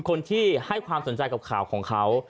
คนที่ให้ความสนใจกับข่าวของเขา